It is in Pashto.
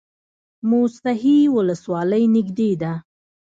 موسهي ولسوالۍ نږدې ده؟